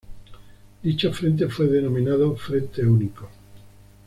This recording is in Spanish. Dicho frente fue denominado "Frente Único".